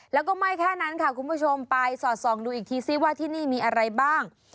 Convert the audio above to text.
แล้วก็ไม่แค่นั้นค่ะคุณผู้ชมไปสอดส่องดูอีกทีซิว่าที่นี่มีอะไรบ้าง